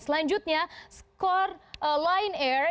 selanjutnya score line r